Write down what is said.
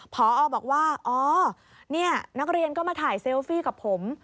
พอบอกว่าอ๋อนี่นักเรียนก็มาถ่ายเซลฟี่กับผม